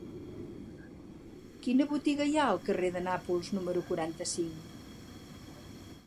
Quina botiga hi ha al carrer de Nàpols número quaranta-cinc?